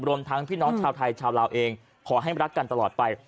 รวมทั้งพี่น้องชาวไทยชาวลาวเองขอให้รักกันตลอดไป